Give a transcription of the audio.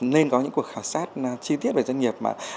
nên có những cuộc khảo sát chi tiết về doanh nghiệp mà